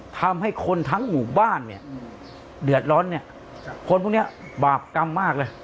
ทำให้คนทั้งหมู่บ้านเนี่ยเดือดร้อนเนี่ยคนพวกนี้บาปกรรมมากเลย